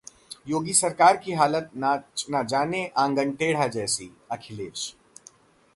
योगी सरकार की हालत नाच ना जाने, आंगन टेढ़ा जैसी: अखिलेश